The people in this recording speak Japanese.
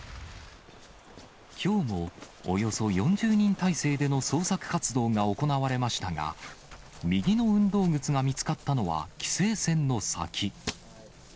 きょうもおよそ４０人態勢での捜索活動が行われましたが、右の運動靴が見つかったのは規制線の先。